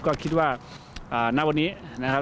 ก็คิดว่าณวันนี้นะครับ